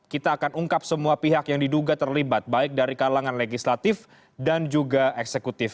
kita akan ungkap semua pihak yang diduga terlibat baik dari kalangan legislatif dan juga eksekutif